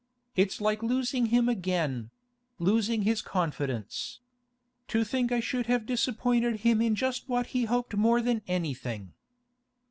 It's like losing him again—losing his confidence. To think I should have disappointed him in just what he hoped more than anything!